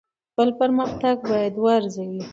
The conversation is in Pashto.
خپل پرمختګ باید وارزوئ.